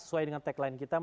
sesuai dengan tagline kita